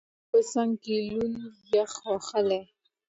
د وسلو په څنګ کې، لوند، یخ وهلی.